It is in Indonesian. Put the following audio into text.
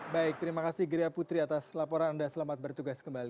baik terima kasih gria putri atas laporan anda selamat bertugas kembali